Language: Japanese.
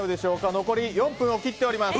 残り４分を切っております。